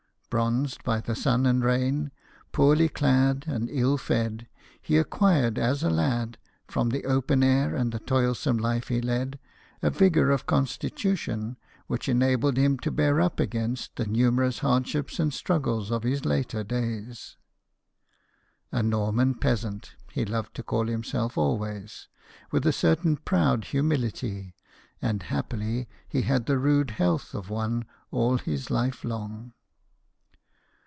Bronzed by sun and rain, poorly clad, and ill fed, he acquired as a lad, from the open air and the toilsome life he led, a vigour of constitution which enabled him to bear up against the numerous hardships and struggles of his later days. " A Norman Peasant," he loved to call himself always, with a certain proud humility ; and happily he had the rude health of one all his life long.